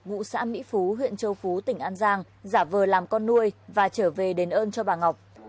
ngụ xã mỹ phú huyện châu phú tỉnh an giang giả vờ làm con nuôi và trở về đền ơn cho bà ngọc